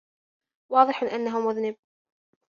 واضح أنّه مذنب.